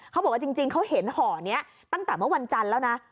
เขาบอกว่าจริงเขาเห็นห่อนี้ตั้งแต่เมื่อวันจันทร์แล้วนะ